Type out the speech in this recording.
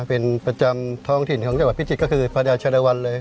เป็นประจำท้องถิ่นของจังหวัดพิจิตรก็คือพระดาวชารวรรณเลย